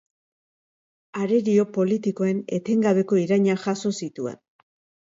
Arerio politikoen etengabeko irainak jaso zituen.